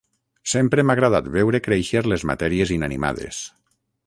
Sempre m'ha agradat veure créixer les matèries inanimades.